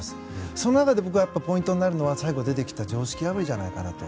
その中で僕がポイントになると思うのは最後に出てきた常識破りじゃないかなと。